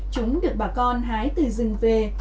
chúng được bà con hái từ rừng về